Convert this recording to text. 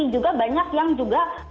juga banyak yang juga